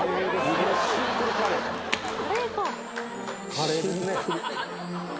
「カレーですね」